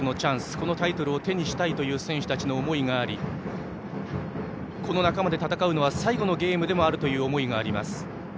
このタイトルを手にしたいという選手たちの思いがありこの仲間で戦うのは最後のゲームであるという思いもあります。